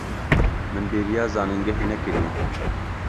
Min bêriya zanîngehê nekiriye.